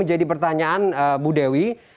jadi pertanyaan bu dewi